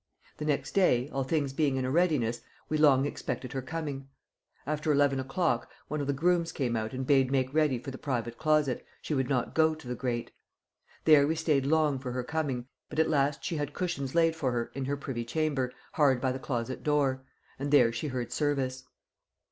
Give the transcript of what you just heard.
The next day, all things being in a readiness, we long expected her coming. After eleven o'clock, one of the grooms came out and bade make ready for the private closet, she would not go to the great. There we stayed long for her coming, but at last she had cushions laid for her in her privy chamber hard by the closet door, and there she heard service.